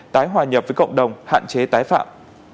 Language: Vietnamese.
tái hòa nhập với cộng đồng hạn chế tái phạm